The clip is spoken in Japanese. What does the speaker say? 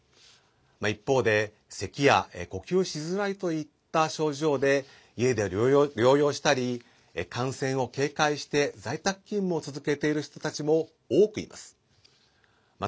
一方で、せきや呼吸しづらいといった症状で家で療養したり、感染を警戒して在宅勤務を続けている人たちも多くいます。